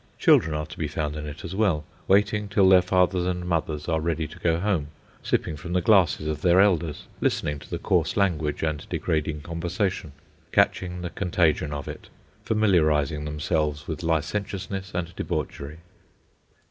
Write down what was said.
Children are to be found in it as well, waiting till their fathers and mothers are ready to go home, sipping from the glasses of their elders, listening to the coarse language and degrading conversation, catching the contagion of it, familiarising themselves with licentiousness and debauchery.